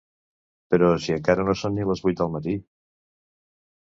Però si encara no són ni les vuit del matí!